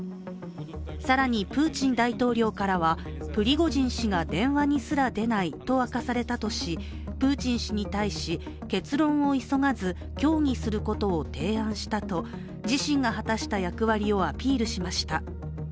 更にプーチン大統領からはプリゴジン氏が電話にすら出ないと明かされたとしプーチン氏に対し結論を急がず協議することを提案したと自身が果たした役割をアピールしました。